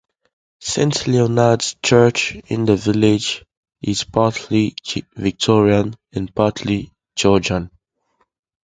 Saint Leonard's Church in the village is partly Victorian and partly Georgian.